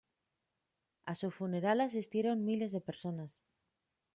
A su funeral asistieron miles de personas.